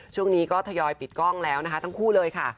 ช่วงนี้ก็ทยอยปิดกล้องแล้วนะคะทั้งคู่เลยค่ะ